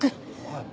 はい。